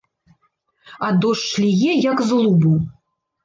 А дождж ліе, як з лубу.